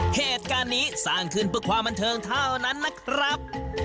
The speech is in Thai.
เหตุการณ์นี้สร้างขึ้นเพื่อความบันเทิงเท่านั้นนะครับ